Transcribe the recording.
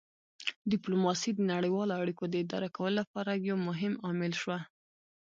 ډیپلوماسي د نړیوالو اړیکو د اداره کولو لپاره یو مهم عامل شوه